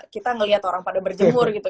kita melihat orang pada berjemur gitu